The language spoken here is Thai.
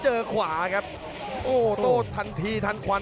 จิบลำตัวไล่แขนเสียบใน